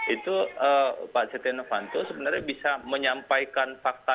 itu pak setia novanto sebenarnya bisa menyampaikan fakta